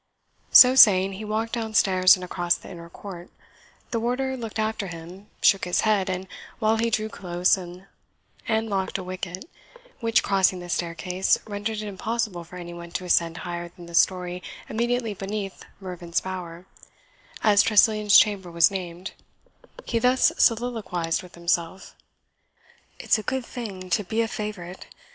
So saying, he walked downstairs, and across the inner court. The warder looked after him, shook his head, and while he drew close and locked a wicket, which, crossing the staircase, rendered it impossible for any one to ascend higher than the story immediately beneath Mervyn's Bower, as Tressilian's chamber was named, he thus soliloquized with himself "It's a good thing to be a favourite.